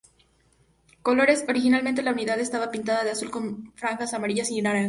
Colores: originalmente las unidades estaban pintadas de azul con franjas amarillas y negras.